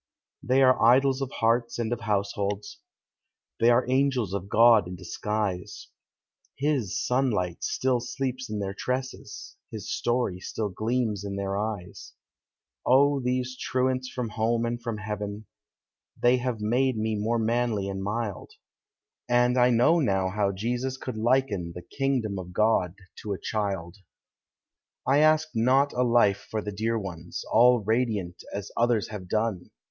They are idols of hearts and of households; They are angels of God in disguise; His sunlight still sleeps in their tresses. His story still gleams in their eyes; O, these truants from home and from heaven, Thev have made me more manlv and mild; And I know now how Jesus could liken The kingdom of God to a child! I ask not a life for the dear ones, All radiant, as others have done.